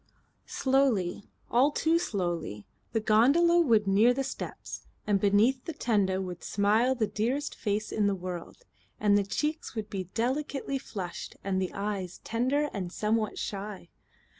Slowly, all too slowly, the gondola would near the steps, and beneath the tenda would smile the dearest face in the world, and the cheeks would be delicately flushed and the eyes tender and somewhat shy.